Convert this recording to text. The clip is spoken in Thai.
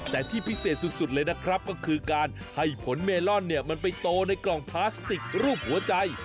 แต่ที่พิเศษสุดเลยนะครับก็คือการให้ผลเมลอนเนี่ยมันไปโตในกล่องพลาสติกรูปหัวใจ